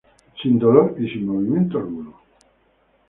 Sin dolor y sin movimiento alguno.